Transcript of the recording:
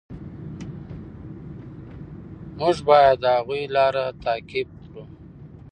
موږ باید د هغوی لاره تعقیب کړو.